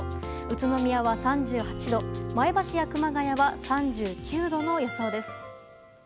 宇都宮は３８度前橋や熊谷は３９度の予想です。